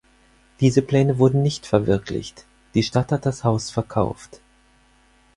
Diese Pläne wurden nicht verwirklicht; die Stadt hat das Haus verkauft.